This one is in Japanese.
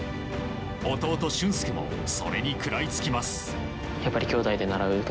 弟・駿恭もそれに食らいつきます。